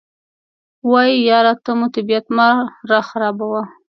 وایي یاره ته مو طبیعت مه راخرابوه.